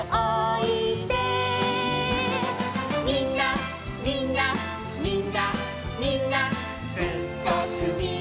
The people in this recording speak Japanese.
「みんなみんなみんなみんなすっごくみんな」